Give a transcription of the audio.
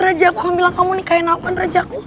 kamu mau nikahin apaan rajaku